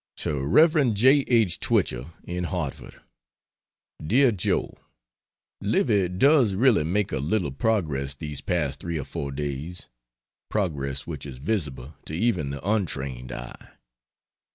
To Rev. J. H. Twichell, in Hartford: DEAR JOE, Livy does really make a little progress these past 3 or 4 days, progress which is visible to even the untrained eye.